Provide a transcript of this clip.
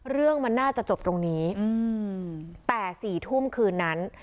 เรื่องมันน่าจะจบตรงนี้แต่๔ทุ่มคืนนั้น